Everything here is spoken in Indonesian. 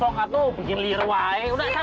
sokak tuh bikin liruai udah sana dulu